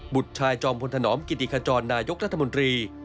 บุตรชายจอมพลธนอมกิติขจรนายกรัฐมนตรี